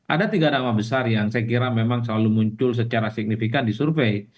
ada tiga nama besar yang saya kira memang selalu muncul secara signifikan di survei